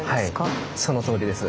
はいそのとおりです。